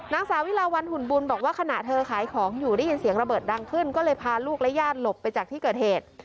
นางสาวิลาวันหุ่นบุญบอกว่าขณะเธอขายของอยู่ได้ยินเสียงระเบิดดังขึ้นก็เลยพาลูกและญาติหลบไปจากที่เกิดเหตุ